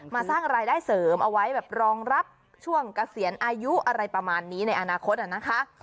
สร้างรายได้เสริมเอาไว้แบบรองรับช่วงเกษียณอายุอะไรประมาณนี้ในอนาคตนะคะ